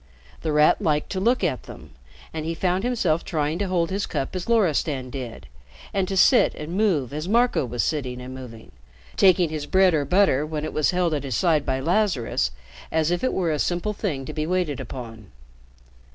The Rat liked to look at them, and he found himself trying to hold his cup as Loristan did, and to sit and move as Marco was sitting and moving taking his bread or butter, when it was held at his side by Lazarus, as if it were a simple thing to be waited upon.